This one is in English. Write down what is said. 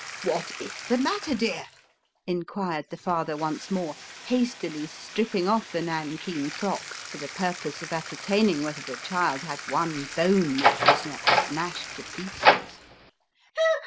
"What is the matter, dear ?" inquired the father once more hastily striping off the nankeen frock, for the purpose of ascertaining whether the child had one bone which was not smashed to pieces.